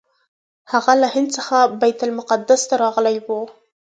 هغه له هند څخه بیت المقدس ته راغلی و.